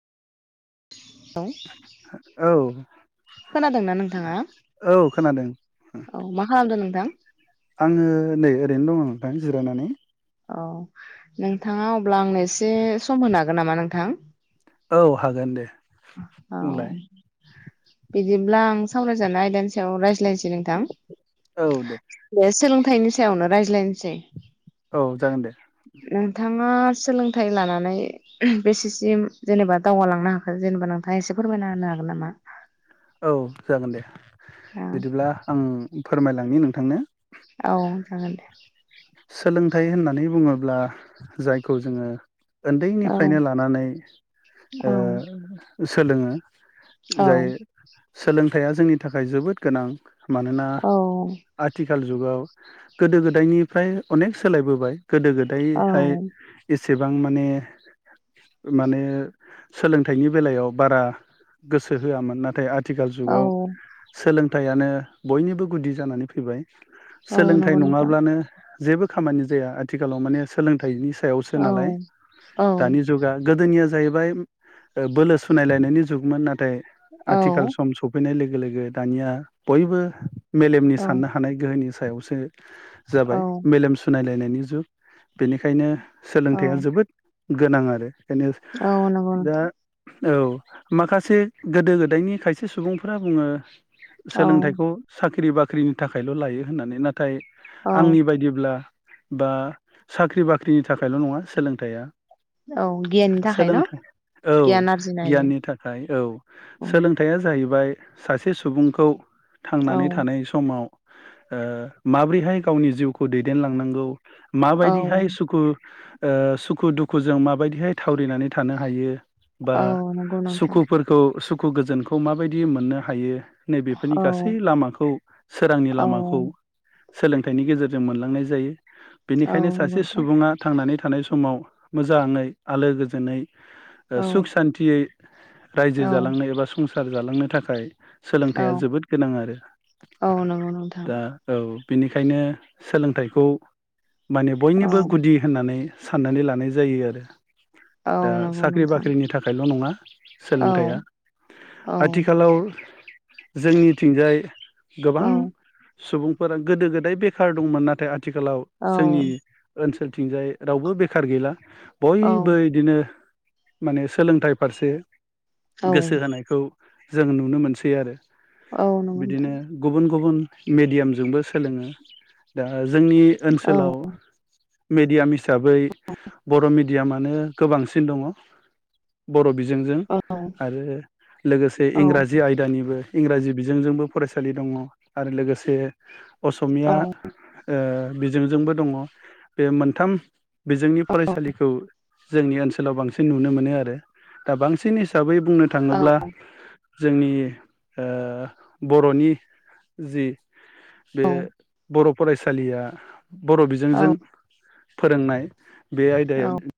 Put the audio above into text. औ खोनादोंना नोंथाङा? औ खोनादों औ मा खालामदों नों? [unintelligible] आङो नै ओरैनो दङ' नोंथां जिरायनानै। औ नोंथाङा अब्ला आंनो एसे सम होनो हागोन नामा नोंथां? औ हागोन दे। औ। बुंलाय बिदिब्ला आं सावरायजानाय आयदानि सायाव रायज्लायनोसै नोंथां। औ दे बे सोंलों थायनि सायावनो रायज्लायनोसै। औ जागोन दे नोंथाङा सोलोंथाइ लानानै बेसेसिम जेनेबा दावगालांनो हा जेनेबा नोंथाङा एसे फोरमायना होनो हागोन नामा? औ जागोन दे बिदिब्ला आं फोरमायलांनि नोंथांनो औ जागोन दे। सोलोंथाइ होननानै बुङोब्ला जायखौ जोङो औ ओन्दैनिफ्रायनो लानानै औ ओ सोलोङो। जाय सोलोंथाइया जोंनि थाखाय जोबोद गोनां मानोना औ आथिख आथिखाल जुगाव गोदो गोदायनि फ्राय अनेक सोलायबोबाय। गोदो औ गोदायहाय एसे एसेबां माने माने सोलोंथाइनि बेलायाव बारा गोसो होआमोन नाथाय आथ आथिखाल औ जुगाव सोलों थाइयानो बयनिबो गुदि जानानै फैबाय। औ सोलोंथाइ नंगौ नोंथां नङाब्लानो जेबो खामानि जाया आथिखालाव माने सोलोंथाइनिसो सायावसो औ नालाय औ दानि जुगा गोदोनियाज जाहैबाय ओ बोलो सुनायलायनायनि जुगमोन नाथ नाथाय औ आथिखाल सम सफैनाय लोगो लोगो लोगो दानिया बयबो मेलेमनि औ साननो हानाय गोहोनि सायावसो। जाबाय औ मेलेम सुनायलायनाय दानि जुग बेनिखायनो औ सोलोंथाइया जोबोद गोनां आरो बेखायनो औ नोंगौ दा नोंथां। औ माखासे गोदो गोदायनि खायसे सुबुंफोरा बुङो औ सोलोंथाइखौ सा ख्रि बाख्रिनि थाखायल' लायो होननानै नाथाय औ नाथाय आंनि बायदि ब्ला बा साख्रि बाख्रिनि थाखायल' नङा सोलोंथाइया। औ गियाननि थाखाय न सोलोंथाइ औ गियान आरजिनो हायो गियाननि थाखाय औ सोलोंथाइया जाहैबाय सासे सुबुंखौ औ थांनानै थानाय समाव ओह माब्रैहाय गावनि जिउखौ खौ दैदेनलांनांगौ औ माबायदिहाय सुखु ओ सुखु दुखुजों माबायदिहाय थावरिनानै थानो हायो। बा औ नंगौ नोंथां सुखुफोरखौ सुख खु गोजोनखौ माबायदि मोननो हायो नैबेफोरनि औ गासै लामाखौ सोरांनि औ लामाखौ सोलोंथाइनि गेजेर जों मोनलांनाय जायो। औ बेनिखायनो नंगौ सासे नोंथां सुबुङा थांनानै थानाय समाव मोजाङै आलो गोजोनै औ ओ सुख सान्थियै रायजो औ जालांनो एबा संसा संसार जालांनो थाखाय औ सोलोंथाइया जोबोद गोनां आरो औ नंगौ नोंथां दा औ। बेनिखायनो सोलोंथाइखौ माने औ बयनिबो गुदि होननानै साननानै लानाय जायो आरो। औ दा नंगौ साख्रि नोंथां बाख्रिनि थाखायल' नङा औ सोलोंथाइया औ आथिखालाव जोंनिथिंजाय गोबां औ सुबुं फोर गोदो गोदाय बे थार दंमोन नाथाय आ थिखालाव औ जोंनि ओनसोल थिंजाय रावबो बेखार गैला औ बयबो बिदिनो। माने सोलोंथाइ फारसे। औ गोसो होनायखौ। जों नुनो मोनसै आरो। औ नंगौ बिदिनो नोंथां गुबुन गुबुन। मेडियामजोंबो सोलोङो। दा। जोंनि औ ओनसोलाव। मिडियाम हिसाबै बर मिडियामानो गोबांसिन दंङ बर' बिजों। जोंजों औ आरो लोगोसे औ इंराजि आयदानिबो। इंराजि बिजोंजोंबो फरायसालि दंङ आरो लोगोसे। असमिया ओ। बिजोंजोंबो दंङ बे मोनथाम बेजोंनि फरायसालिखौ। जोंनि ओनसोलाव बांसिन नुनो मोनो आरो दा बांसिन हिसाबै बुंनो थांङोब्ला। जोंनि ओ बरनि जि बे बर फरायसालिया। बर औ बिजोंजों। फोरोंनाय। बे औ आयदाया